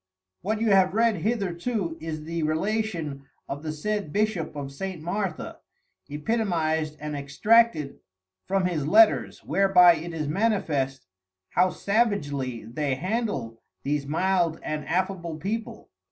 What you have read hitherto is the Relation of the said Bishop of St. Martha, Epitomized and Extracted from his Letters, whereby it is manifest, how Savagely they handle these mild and affable People.